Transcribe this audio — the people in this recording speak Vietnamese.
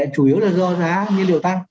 chủ yếu là do giá nhân liệu tăng